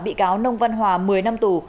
bị cáo nông văn hòa một mươi năm tù